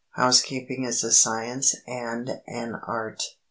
Housekeeping is a science and an art.